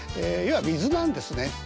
要は水なんですね。